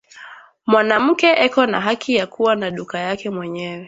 Mwanamuke eko na haki ya kuwa na duka yake mwenyewe